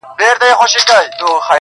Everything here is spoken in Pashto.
کورنۍ پرېکړه کوي په وېره,